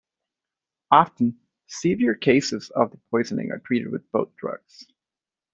Often, severe cases of the poisoning are treated with both drugs.